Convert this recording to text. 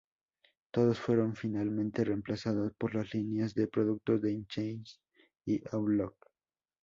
Todos fueron finalmente reemplazados por las líneas de productos de Exchange y Outlook.